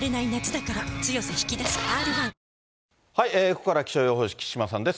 ここからは気象予報士、木島さんです。